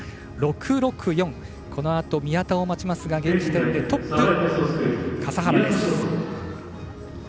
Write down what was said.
このあと、宮田を待ちますが現時点でトップ、笠原です。